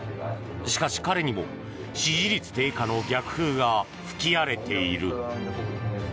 しかし彼にも支持率低下の逆風が吹き荒れている。